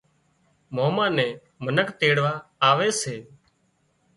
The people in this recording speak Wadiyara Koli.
ماما نين منک تيڙوا آوي سي